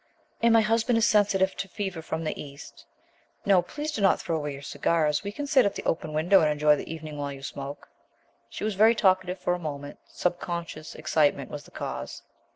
"And my husband is sensitive to fever from the East. No, please do not throw away your cigars. We can sit by the open window and enjoy the evening while you smoke." She was very talkative for a moment; subconscious excitement was the cause.